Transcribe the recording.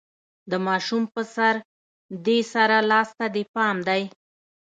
د ماشوم په سر، دې سره لاس ته دې پام دی؟